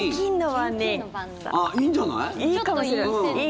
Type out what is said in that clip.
いいんじゃない？